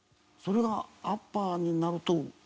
それがアッパーになると。